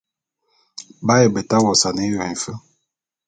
B'aye beta wosane éyon éfe.